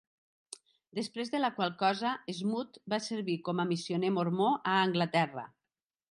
Després de la qual cosa, Smoot va servir com a missioner mormó a Anglaterra.